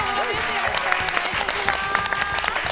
よろしくお願いします！